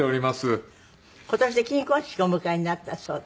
今年で金婚式をお迎えになったそうで。